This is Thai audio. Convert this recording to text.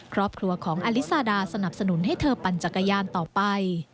ครอบครัวของอลิซาดาสนับสนุนให้เธอปั่นจักรยานต่อไป